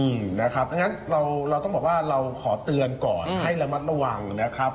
เพราะฉะนั้นเราต้องบอกว่าเราขอเตือนก่อนให้ระมัดระวังนะครับ